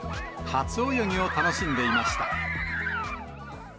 初泳ぎを楽しんでいました。